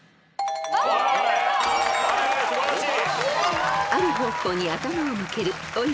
素晴らしい！